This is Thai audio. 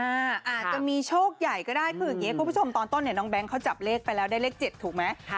อาจจะมีโชคใหญ่ก็ได้คืออย่างนี้คุณผู้ชมตอนต้นเนี่ยน้องแก๊งเขาจับเลขไปแล้วได้เลข๗ถูกไหม